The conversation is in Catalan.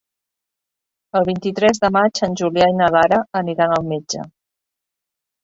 El vint-i-tres de maig en Julià i na Lara aniran al metge.